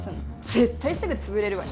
絶対すぐつぶれるわよ。